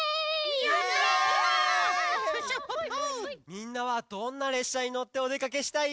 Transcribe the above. みんなはどんなれっしゃにのっておでかけしたい？